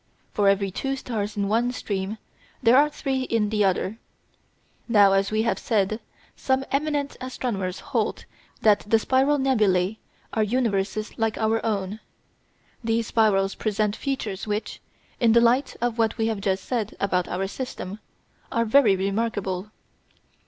For every two stars in one stream there are three in the other. Now, as we have said, some eminent astronomers hold that the spiral nebulæ are universes like our own, and if we look at the two photographs (Figs. 25 and 26) we see that these spirals present features which, in the light of what we have just said about our system, are very remarkable.